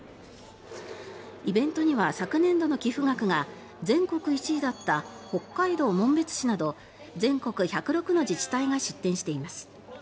イベントには昨年度の寄付額が全国１位だった北海道紋別市など全国１０６の自治体が出展しています。